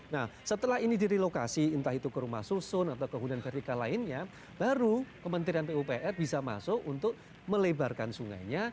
nah setelah ini direlokasi entah itu ke rumah susun atau ke hunian vertikal lainnya baru kementerian pupr bisa masuk untuk melebarkan sungainya